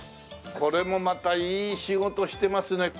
これもまたいい仕事してますね。